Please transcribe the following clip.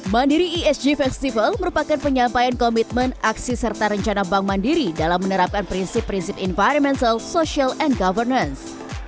mandiri esg festival merupakan penyampaian komitmen aksi serta rencana bank mandiri dalam menerapkan prinsip prinsip environmental social and governance